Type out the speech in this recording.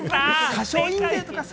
歌唱印税とかさ。